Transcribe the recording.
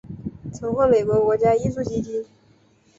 曾获美国国家艺术基金。